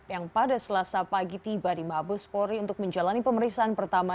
yang pada selasa pagi tiba di mabespori untuk menjalani pemeriksaan pertama